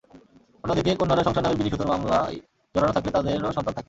অন্যদিকে কন্যারা সংসার নামের বিনি সুতোর মালায় জড়ানো থাকলে তাদেরও সন্তান থাকে।